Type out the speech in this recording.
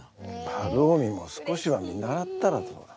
晴臣も少しは見習ったらどうだ？